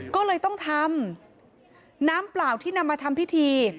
ก็เลยต้องทำน้ำเปล่าที่นำมาทำพิธี